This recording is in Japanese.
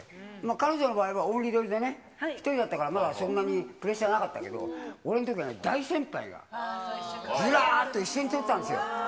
彼女の場合はオンリーで、１人だったからまだそんなにプレッシャーなかったけど、俺のときなんかは大先輩がずらーといたんですよ。